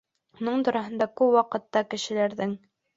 Уның тураһында күп ваҡытта кешеләрҙең: